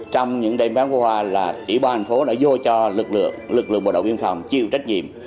trong những đêm bán phó hoa là chỉ ba hành phố đã vô cho lực lượng bộ đội viên phòng chịu trách nhiệm